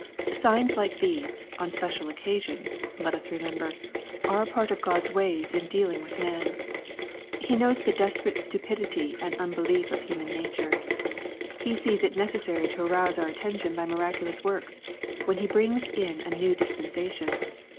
Signs like these, on special occasions, let us remember, are a part of God's ways in dealing with man. He knows the desperate stupidity and unbelief of human nature. He sees it necessary to arouse our attention by miraculous works, when He brings in a new dispensa tion.